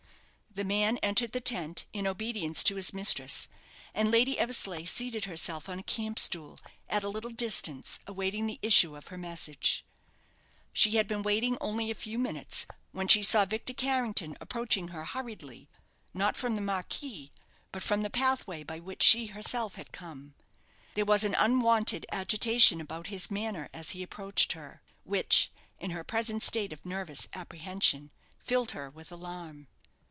The man entered the tent, in obedience to his mistress; and Lady Eversleigh seated herself on a camp stool, at a little distance, awaiting the issue of her message. She had been waiting only a few moments, when she saw Victor Carrington approaching her hurriedly not from the marquee, but from the pathway by which she herself had come. There was an unwonted agitation about his manner as he approached her, which, in her present state of nervous apprehension, filled her with alarm.